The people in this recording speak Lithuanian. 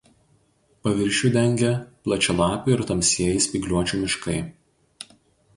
Paviršių dengia plačialapių ir tamsieji spygliuočių miškai.